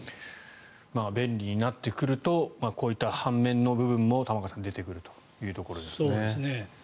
便利になってくるとこういった半面の部分も玉川さん出てくるということですね。